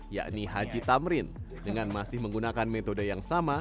yakni haji tamrin dengan masih menggunakan metode yang sama